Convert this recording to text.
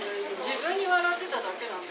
自分に笑ってただけなんだよ。